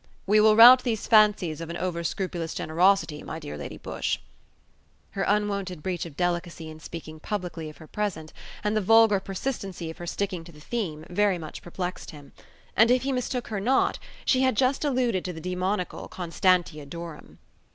"We will rout these fancies of an overscrupulous generosity, my dear Lady Busshe." Her unwonted breach of delicacy in speaking publicly of her present, and the vulgar persistency of her sticking to the theme, very much perplexed him. And if he mistook her not, she had just alluded to the demoniacal Constantia Durham.